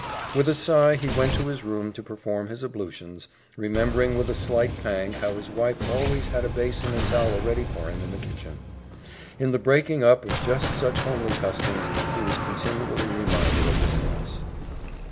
With a sigh he went to his room to perform his ablutions, remembering with a slight pang how his wife always had a basin and towel ready for him in the kitchen. In the breaking up of just such homely customs, he was continually reminded of his loss.